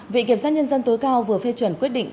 vị kiểm soát nhân dân tối cao vừa phê chuẩn quyết định